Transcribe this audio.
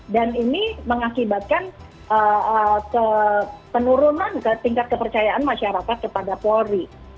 dan ini mengakibatkan penurunan tingkat kepercayaan masyarakat kepada polri